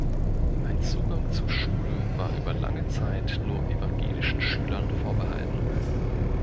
Ein Zugang zur Schule war über lange Zeit nur evangelischen Schülern vorbehalten.